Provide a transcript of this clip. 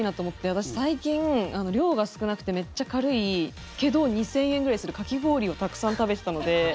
私、最近、量が少なくてめっちゃ軽いけど２０００円ぐらいするかき氷をたくさん食べてたので。